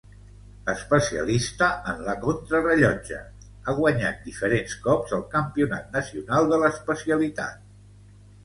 Especialista en la contrarellotge, ha guanyat diferents cops el campionat nacional de l'especialitat.